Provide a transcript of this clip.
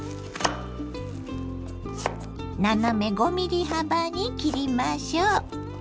斜め５ｍｍ幅に切りましょう。